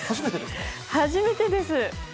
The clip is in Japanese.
初めてです。